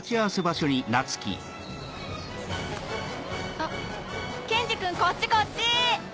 あっ健二君こっちこっち！